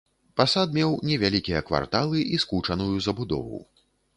Пасад меў невялікія кварталы і скучаную забудову.